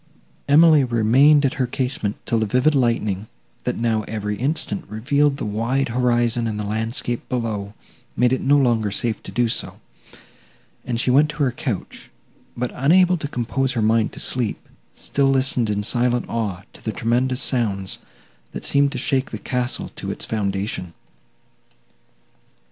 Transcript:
Emily remained at her casement, till the vivid lightning, that now, every instant, revealed the wide horizon and the landscape below, made it no longer safe to do so, and she went to her couch; but, unable to compose her mind to sleep, still listened in silent awe to the tremendous sounds, that seemed to shake the castle to its foundation.